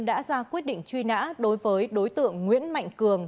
đã ra quyết định truy nã đối với đối tượng nguyễn mạnh cường